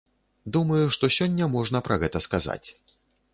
Думаю, што сёння можна пра гэта сказаць.